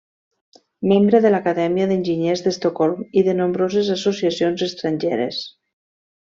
Membre de l'Acadèmia d'Enginyers d'Estocolm i de nombroses associacions estrangeres.